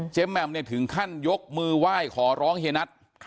เจ๊แม่มถึงขั้นยกมือไหว้ขอร้องเฮนัท